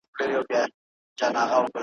چیغي پورته له سړیو له آسونو ,